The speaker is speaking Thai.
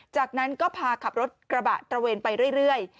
จากนั้นก็พาขับรถกระบะตระเวนไปเรื่อย